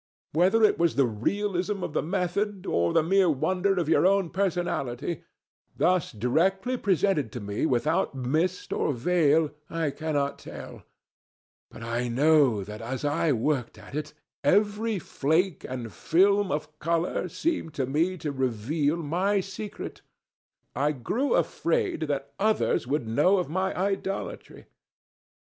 Whether it was the realism of the method, or the mere wonder of your own personality, thus directly presented to me without mist or veil, I cannot tell. But I know that as I worked at it, every flake and film of colour seemed to me to reveal my secret. I grew afraid that others would know of my idolatry.